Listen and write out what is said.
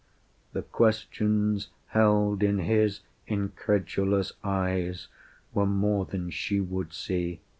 The questions held in his incredulous eyes Were more than she would see.